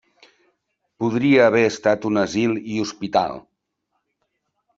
Podria haver estat un asil i hospital.